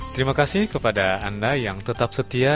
terima kasih kepada anda yang tetap setia